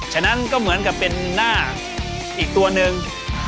ฉะนั้นก็เหมือนกับเป็นหน้าอีกตัวหนึ่ง